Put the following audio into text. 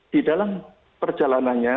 di dalam perjalanannya